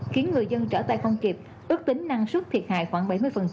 khiến người dân trở tay không kịp ước tính năng suất thiệt hại khoảng bảy mươi